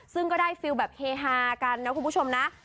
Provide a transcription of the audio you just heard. ซึ่งก็ได้ฟิลแบบเฮฮากันนะคุณผู้ชมนะ